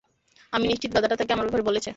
আমি নিশ্চিত গাধাটা তাকে আমার ব্যাপারে বলেছে।